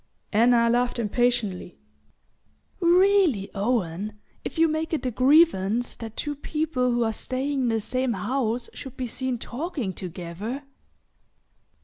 Anna laughed impatiently. "Really, Owen, if you make it a grievance that two people who are staying in the same house should be seen talking together